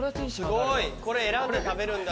これ選んで食べるんだ。